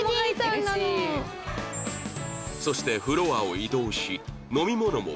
そしてフロアを移動し飲み物も購入